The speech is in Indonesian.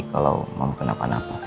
kalau mau kenapa napa